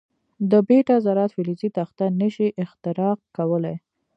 د بیټا ذرات فلزي تخته نه شي اختراق کولای.